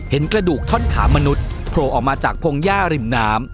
กระดูกท่อนขามนุษย์โผล่ออกมาจากพงหญ้าริมน้ำ